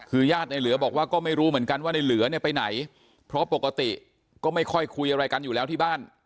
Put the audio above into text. คือญาติในเหลือบอกว่าก็ไม่รู้เหมือนกันว่าในเหลือเนี่ยไปไหนเพราะปกติก็ไม่ค่อยคุยอะไรกันอยู่แล้วที่บ้าน